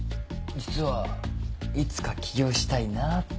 実はいつか起業したいなって。